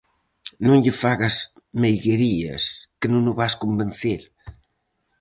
Non lle fagas meiguerías, que non o vas convencer.